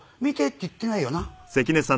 見てって言ってないよな。